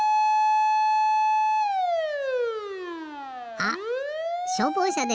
あっしょうぼうしゃですね。